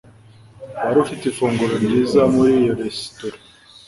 Wari ufite ifunguro ryiza muri iyo resitora